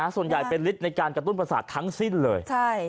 ส่วนใหญ่เป็นฤทธิ์ในการกระตุ้นประสาททั้งสิ้นเลย